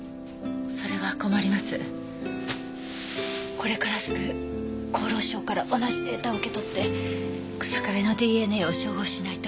これからすぐ厚労省から同じデータを受け取って日下部のＤＮＡを照合しないと。